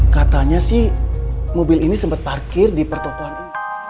katanya sih mobil ini sempat parkir di pertokohan ini